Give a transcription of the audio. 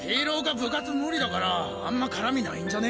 部活ムリだからあんま絡みないんじゃね。